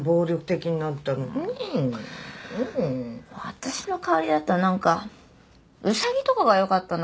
私の代わりだったらなんかウサギとかがよかったな。